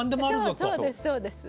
そうですそうです。